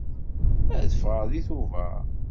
Ad ffɣeɣ deg Tubeṛ.